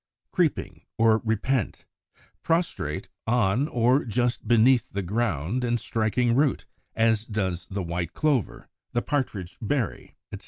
Creeping or Repent, prostrate on or just beneath the ground, and striking root, as does the White Clover, the Partridge berry, etc.